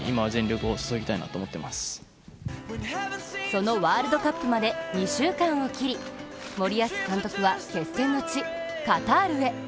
そのワールドカップまで２週間を切り森保監督は決戦の地、カタールへ。